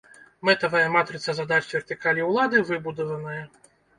Мэтавая матрыца задач вертыкалі ўлады выбудаваная.